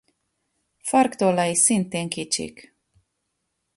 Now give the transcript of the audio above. Farktollai szintén kicsik.